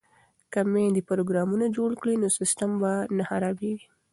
که میندې پروګرامونه جوړ کړي نو سیسټم به نه خرابیږي.